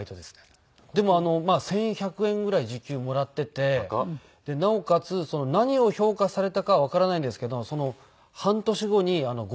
でも１１００円ぐらい時給もらっていてなおかつ何を評価されたかはわからないんですけど半年後に５０円時給がアップしましたね。